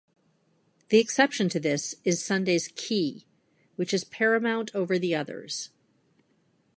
The exception to this is Sunday's Key, which is paramount over the others.